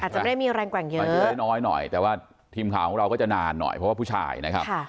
อาจจะไม่ได้มีแรงกว่างเยอะแต่ว่าทีมข่าวของเราก็จะนานหน่อยเพราะว่าผู้ชายนะครับ